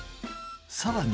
さらに。